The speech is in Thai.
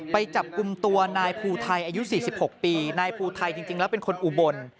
ไปจับกลุ่มตัวนายภูไทยอายุ๔๖ปีนายภูไทยจริงแล้วเป็นคนอุบล